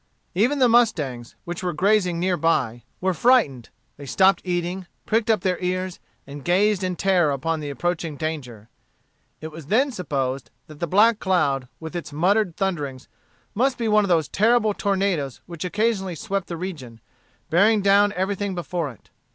Even the mustangs, which were grazing near by, were frightened They stopped eating, pricked up their ears, and gazed in terror upon the approaching danger. It was then supposed that the black cloud, with its muttered thunderings, must be one of those terrible tornadoes which occasionally swept the region, bearing down everything before it.